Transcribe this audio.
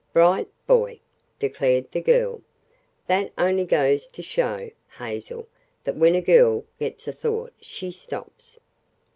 "Bright boy!" declared the girl. "That only goes to show, Hazel, that when a girl gets a thought she stops.